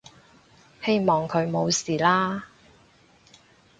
希望佢冇事啦